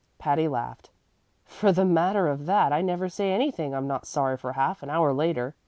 Patty laughed. "For the matter of that, I never say anything I'm not sorry for half an hour later.